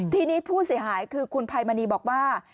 ทีนี้ผู้เสียหายคือคุณภัยมณีบอกว่า